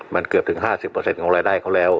มันเกือบถึง๕๐ของรายได้เขาแล้ว